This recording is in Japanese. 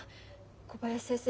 小林先生